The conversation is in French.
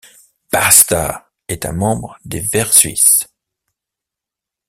BastAǃ est membre des Verts suisses.